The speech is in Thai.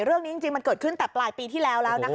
เรื่องนี้จริงมันเกิดขึ้นตั้งแต่ฝลายปีที่แล้ว